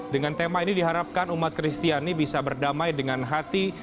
dengan tema ini diharapkan umat kristiani bisa berdamai dengan hati